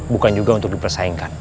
bukan juga untuk dipersaingkan